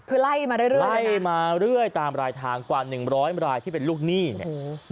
คือไล่มาเรื่อยตามรายทางกว่า๑๐๐รายที่เป็นลูกหนี้เนี่ย